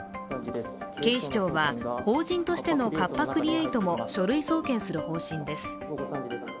警視庁は法人としてのカッパ・クリエイトも書類送検する方針です。